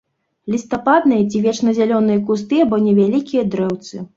Лістападныя ці вечназялёныя кусты або невялікія дрэўцы.